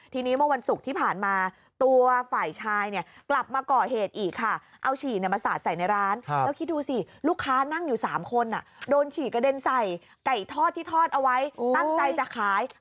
ทีนี้เมื่อวันศุกร์ที่ผ่านมา